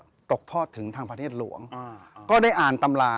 เหมือนเล็บแต่ของห้องเหมือนเล็บตลอดเวลา